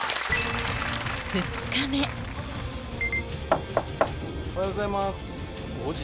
２日目おはようございます。